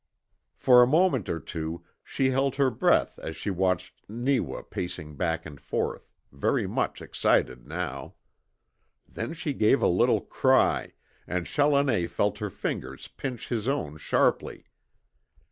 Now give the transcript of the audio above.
For a moment or two she held her breath as she watched Neewa pacing back and forth, very much excited now. Then she gave a little cry, and Challoner felt her fingers pinch his own sharply.